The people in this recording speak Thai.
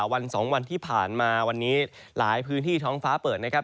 วัน๒วันที่ผ่านมาวันนี้หลายพื้นที่ท้องฟ้าเปิดนะครับ